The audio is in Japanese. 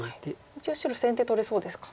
一応白先手取れそうですか。